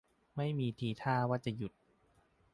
ไม่มีทีท่าว่าจะหยุด